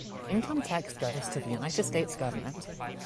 Income tax goes to the United States Government.